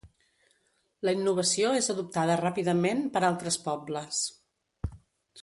La innovació és adoptada ràpidament per altres pobles.